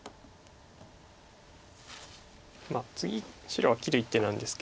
次白は切る一手なんですけど。